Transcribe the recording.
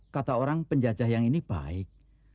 kata orang penjajah yang ini baik